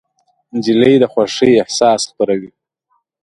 نجلۍ د خوښۍ احساس خپروي.